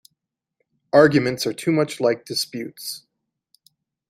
Arguments are too much like disputes.